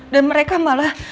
dan mereka malah